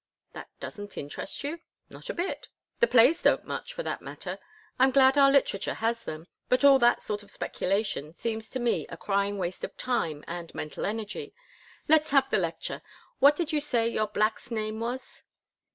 "That doesn't interest you?" "Not a bit. The plays don't much, for that matter. I'm glad our literature has them, but all that sort of speculation seems to me a crying waste of time and mental energy. Let's have the lecture. What did you say your black's name was?"